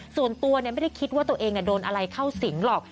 ส่วนตัวไม่ได้คิดว่าตัวเองโดนอะไรเข้าสิงหรอก